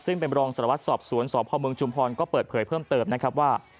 ซึ่งเป็นรองสารวัตรสอบสวนสพเมืองชุมพรก็เปิดเผยเพิ่มเติมนะครับว่า